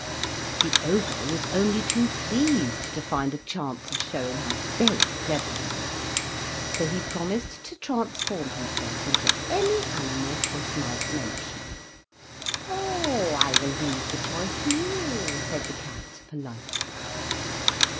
The Ogre was only too pleased to find a chance of showing how very clever he was, so he promised to transform himself into any animal Puss might mention. "Oh! I will leave the choice to you," said the cat politely.